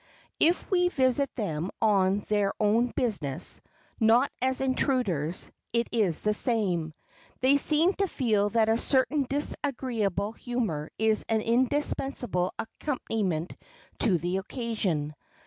If we visit them on their own business,—not as intruders,—it is the same. They seem to feel that a certain disagreeable humor is an indispensable accompaniment to the occasion.